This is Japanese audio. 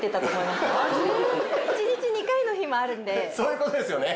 そういうことですよね。